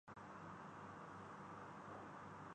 رات کو اس کا چولہا جلتا ہے